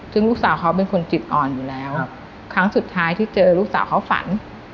ซึ่งลูกสาวเขาเป็นคนจิตอ่อนอยู่แล้วครั้งสุดท้ายที่เจอลูกสาวเขาฝัน